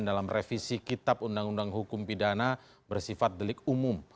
dalam revisi kitab undang undang hukum pidana bersifat delik umum